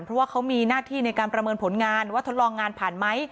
เพราะว่าเขามีหน้าที่ในการประเมินผลงานว่าทดลองงานผ่านไหม